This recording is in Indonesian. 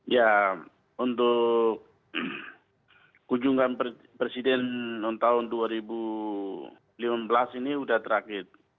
ya untuk kunjungan presiden tahun dua ribu lima belas ini sudah terakhir